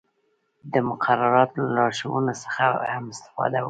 د مقرراتو له لارښوونو څخه هم استفاده وکړئ.